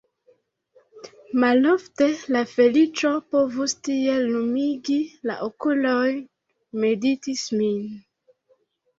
Malofte la feliĉo povus tiel lumigi la okulojn – meditis mi.